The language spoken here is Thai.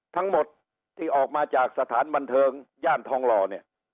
ทั้งหมดที่ออกมาจากสถานบันเทิงย่านทองหล่อเนี่ย